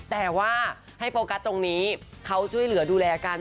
แต่ว่าให้โฟกัสตรงนี้เขาช่วยเหลือดูแลกัน